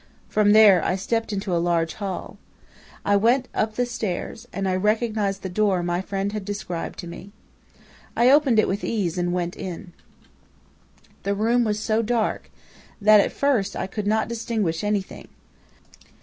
From there I stepped into a large hall. I went up the stairs, and I recognized the door my friend had described to me. "I opened it with ease and went in. "The room was so dark that at first I could not distinguish anything.